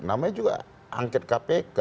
yang mana juga angket kpk